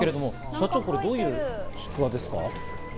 社長、これはどういうものですか？